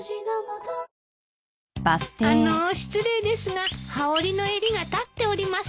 あの失礼ですが羽織の襟が立っております。